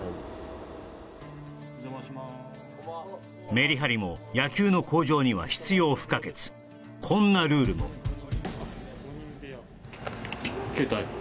メリハリも野球の向上には必要不可欠こんなルールも携帯？